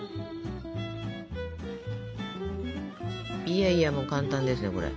いやいやもう簡単ですよこれ。